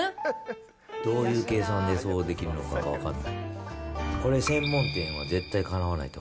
どういう計算でそうできるのか分からない。